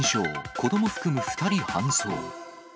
子ども含む２人搬送。